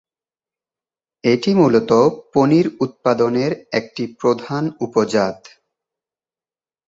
এটি মূলত পনির উৎপাদনের একটি প্রধান উপজাত।